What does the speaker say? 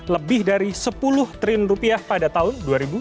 lebih dari sepuluh triliun rupiah pada tahun dua ribu dua puluh